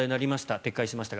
撤回しましたが。